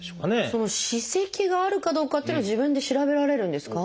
その歯石があるかどうかっていうのは自分で調べられるんですか？